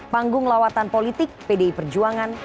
panggung lawatan politik pdi perjuangan